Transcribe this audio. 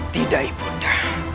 tidak ibu unda